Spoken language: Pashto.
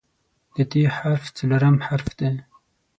د "ت" حرف څلورم حرف دی.